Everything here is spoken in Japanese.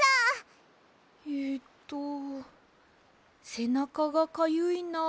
えっとせなかがかゆいなですか？